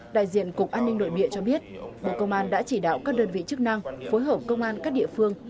đại diện cục an ninh nội địa cho biết bộ công an đã chỉ đạo các đơn vị chức năng phối hợp công an các địa phương